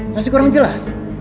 masih kurang jelas